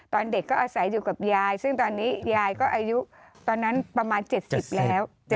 ตอนเด็กก็อาศัยอยู่กับยายซึ่งตอนนี้ยายก็อายุตอนนั้นประมาณ๗๐แล้ว